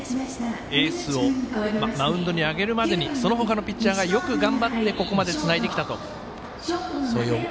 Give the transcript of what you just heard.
エースがマウンドに上げるまでにその他のピッチャーがここまで頑張ってつないできたと。